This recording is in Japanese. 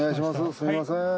すみません。